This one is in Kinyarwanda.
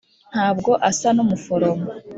ntabwo asa n'umuforomo